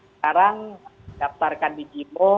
sekarang daftarkan di gmo